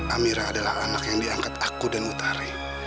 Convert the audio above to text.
amira adalah anak yang diangkat aku dan mutare